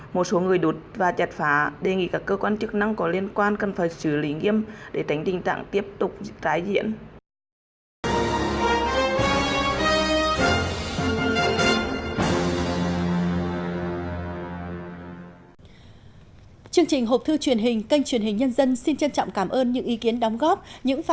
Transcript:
một số người đột và chặt phá đề nghị các cơ quan chức năng có liên quan cần phải xử lý nghiêm để tính tình trạng tiếp tục trái diện